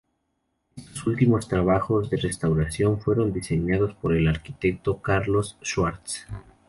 Estos últimos trabajos de restauración fueron diseñados por el arquitecto Carlos Schwartz.